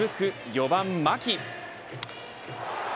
４番、牧。